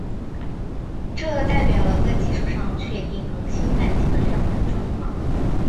这代表了在技术上确定恒星半径的两难状况。